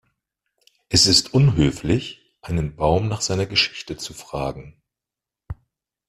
Es ist unhöflich, einen Baum nach seiner Geschichte zu fragen.